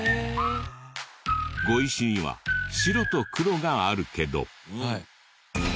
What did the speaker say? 碁石には白と黒があるけど。